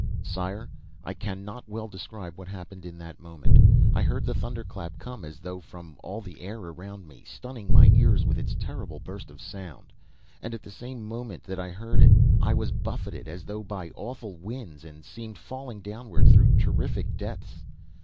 "Sire, I cannot well describe what happened in that moment. I heard the thunderclap come as though from all the air around me, stunning my ears with its terrible burst of sound. And at the same moment that I heard it, I was buffeted as though by awful winds and seemed falling downward through terrific depths.